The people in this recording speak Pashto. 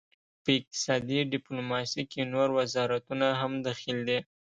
په اقتصادي ډیپلوماسي کې نور وزارتونه هم دخیل دي